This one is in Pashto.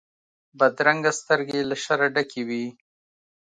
بدرنګه سترګې له شره ډکې وي